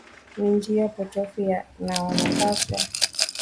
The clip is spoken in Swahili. ni njia potofu na wanapaswa